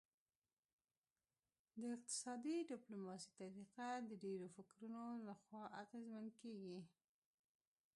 د اقتصادي ډیپلوماسي طریقه د ډیرو فکتورونو لخوا اغیزمن کیږي